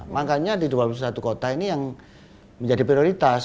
makanya di dua puluh satu kota ini yang menjadi prioritas